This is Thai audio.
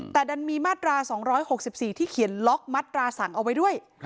แต่ดันมีมาตราสองร้อยหกสิบสี่ที่เขียนล็อกมาตราสั่งเอาไว้ด้วย